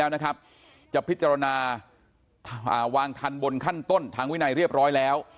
แล้วนะครับจะพิจารณาวางทันบนขั้นต้นทางวินัยเรียบร้อยแล้ว